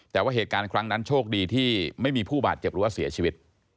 แต่ว่าเหตุการณ์ครั้งนั้นโชคดีที่ไม่มีผู้บาดเจ็บหรือว่าเสียชีวิต